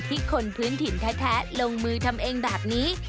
คนพื้นถิ่นแท้ลงมือทำเองแบบนี้